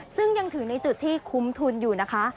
ซึ่งยังถือในจุดที่คุ้มทุนอยู่นะคะ